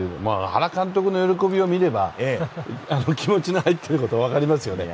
原監督の喜びを見れば、気持ちの入っていること分かりますよね。